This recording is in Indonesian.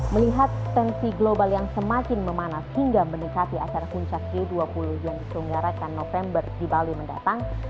melihat tensi global yang semakin memanas hingga mendekati acara puncak g dua puluh yang diselenggarakan november di bali mendatang